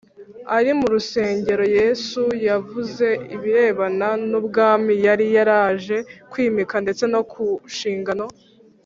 ari mu rusengero, yesu yavuze ibirebana n’ubwami yari yaraje kwimika ndetse no ku nshingano